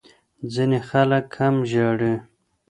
ځینې خلک کم ژاړي.